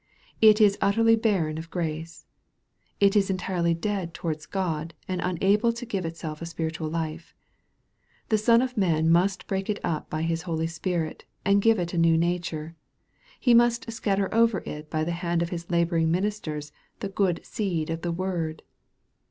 It is utterly bar ren of grace. It is entirely dead towards God, and una ble to give itself spiritual life. The Son of man must break it up by His Spirit, and give it a new nature. He must scatter over it by the hand of his laboring minis ters the good seed of the word.